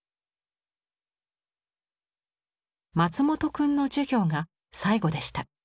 「松本くんの授業が最後でした。